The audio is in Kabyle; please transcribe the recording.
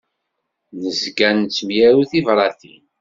Nezga nettemyaru tibratin.